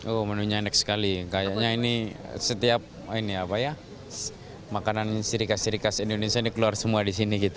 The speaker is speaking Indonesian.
oh menunya enak sekali kayaknya ini setiap ini apa ya makanan sirika sirikas indonesia ini keluar semua di sini gitu